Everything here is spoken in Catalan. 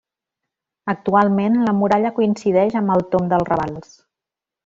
Actualment la muralla coincideix amb el tomb dels ravals.